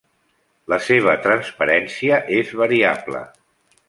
La seva transparència és variable.